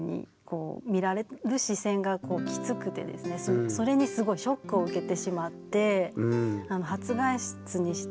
本当にそれにすごいショックを受けてしまって。